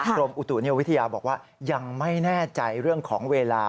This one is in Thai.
กรมอุตุนิยมวิทยาบอกว่ายังไม่แน่ใจเรื่องของเวลา